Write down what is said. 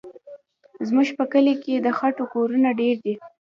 زموږ په کلي کې د خټو کورونه ډېر دي.